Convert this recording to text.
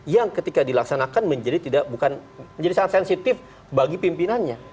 yang ketika dilaksanakan menjadi tidak bukan menjadi sangat sensitif bagi pimpinannya